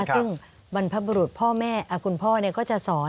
ซึ่งบรรพบุรุษพ่อแม่คุณพ่อก็จะสอน